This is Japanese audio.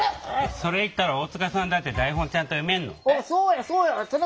それ言ったら大塚さんだって台本ちゃんと読めるの？